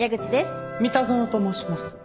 三田園と申します。